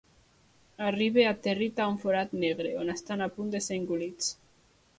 Arriba aterrit a un forat negre, on estan a punts de ser engolits.